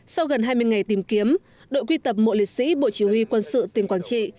sau gần hai mươi ngày tìm kiếm đội quy tập mộ liệt sĩ bộ chỉ huy quân sự tỉnh quảng trị